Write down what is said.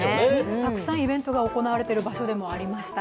たくさんイベントが行われている場所でもありました。